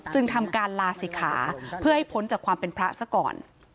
จึงทำการลาศิกขาเพื่อให้พ้นจากความเป็นพระซะก่อน